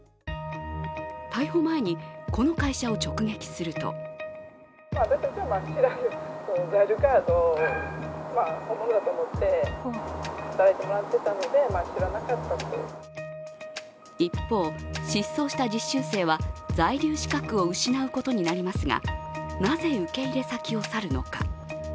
逮捕前に、この会社を直撃すると一方、失踪した実習生は在留資格を失うことになりますがなぜ、受け入れ先を去るのか。